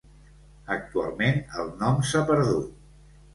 Actualment el nom s'ha perdut.